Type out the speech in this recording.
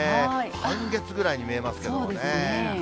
半月ぐらいに見えますけどね。